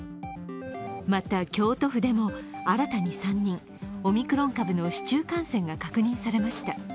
また、京都府でも新たに３人、オミクロン株の市中感染が確認されました。